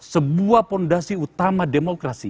sebuah fondasi utama demokrasi